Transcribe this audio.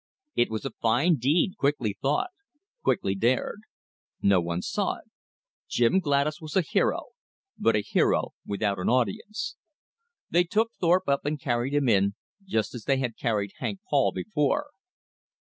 It was a fine deed, quickly thought, quickly dared. No one saw it. Jim Gladys was a hero, but a hero without an audience. They took Thorpe up and carried him in, just as they had carried Hank Paul before.